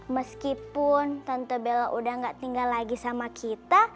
meskipun tante bella udah gak tinggal lagi sama kita